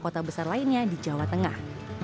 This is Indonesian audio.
kota besar lainnya di jawa tengah